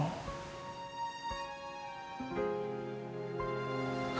kalau sekarang ada masalah